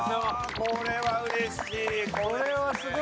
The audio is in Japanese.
これはうれしい！